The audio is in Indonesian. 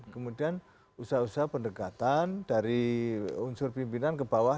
kemudian usaha usaha pendekatan dari unsur pimpinan ke bawah